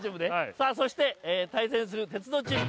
さあそして対戦する鉄道チーム。